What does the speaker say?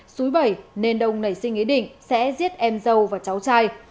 súi bẩy nên đông nảy sinh ý định sẽ giết em dâu và cháu trai